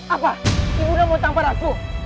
apa ibunda mau tampar aku